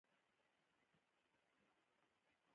ما خپلو ټولو کړو وړو ته هم بې پایه پام کاوه.